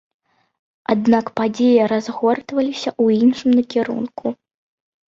Аднак падзеі разгортваліся ў іншым накірунку.